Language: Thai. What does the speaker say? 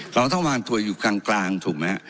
เราต้องวางตัวอยู่กลางถูกไหมฮะ